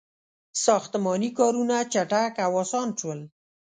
• ساختماني کارونه چټک او آسان شول.